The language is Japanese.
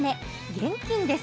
現金です。